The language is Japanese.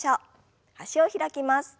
脚を開きます。